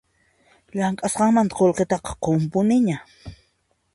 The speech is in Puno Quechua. Llamk'asqanmanta qullqitaqa qunpuniña